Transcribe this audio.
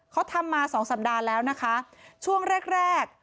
เขาทำมาสองสัปดาห์แล้วนะคะช่วงแรกแรก